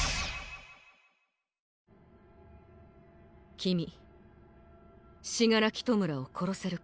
君死柄木弔を殺せるか？